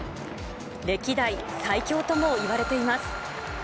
歴代最強ともいわれています。